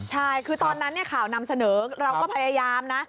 ใช่คือตอนนั้นข่าวนำเสนอเราก็พยายามนะ